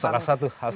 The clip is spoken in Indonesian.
salah satu khas